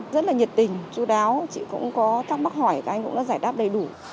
rất là nhiệt tình chú đáo chị cũng có thắc mắc hỏi các anh cũng đã giải đáp đầy đủ